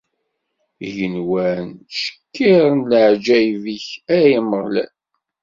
Igenwan ttcekkiren leɛǧayeb-ik, ay Ameɣlal!